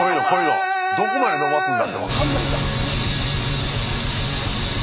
生きてくどこまでのばすんだって分かんないじゃん。